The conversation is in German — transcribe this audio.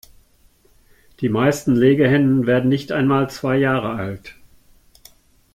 Die meisten Legehennen werden nicht einmal zwei Jahre alt.